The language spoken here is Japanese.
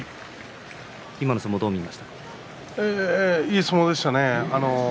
いい相撲でしたね。